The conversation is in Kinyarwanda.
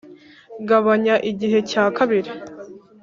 gabanya igihe cya kabiri